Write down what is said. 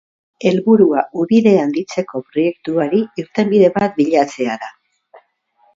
Helburua, ubidea handitzeko proiektuari irtenbide bat bilatzea da.